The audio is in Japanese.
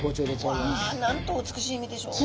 わあなんと美しい身でしょう。